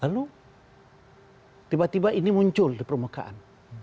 lalu tiba tiba ini muncul di permukaan